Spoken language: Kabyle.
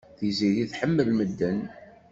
Tiziri tḥemmel medden.